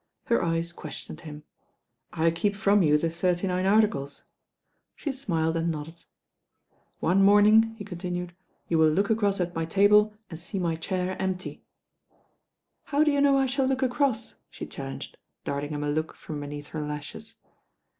Her eyes questioned him. "I keep from you the Thirty Nine Articles." She smiled and nodded. "One morning," he continued, "you will look acfoss at my table and see my chair empty." 183 184 THE RAIN GIRL ill ■ !i ' "How do you know I shall look across?" she challenged, darting him a look from beneath her lashes.